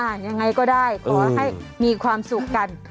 ยังไงก็ได้ขอให้มีความสุขกัน